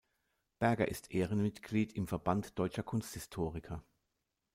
Berger ist Ehrenmitglied im Verband Deutscher Kunsthistoriker.